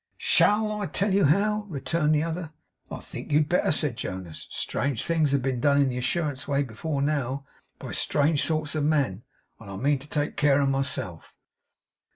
'SHALL I tell you how?' returned the other. 'I think you had better,' said Jonas. 'Strange things have been done in the Assurance way before now, by strange sorts of men, and I mean to take care of myself.